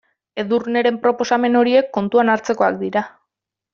Edurneren proposamen horiek kontuan hartzekoak dira.